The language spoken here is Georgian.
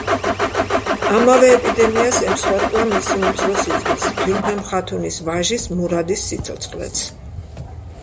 ამავე ეპიდემიას ემსხვერპლა მისი უმცროსი ძმის, გიულფემ ხათუნის ვაჟის, მურადის სიცოცხლეც.